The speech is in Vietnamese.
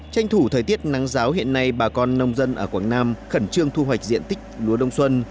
tranh thủ thời tiết nắng giáo hiện nay bà con nông dân ở quảng nam khẩn trương thu hoạch diện tích lúa đông xuân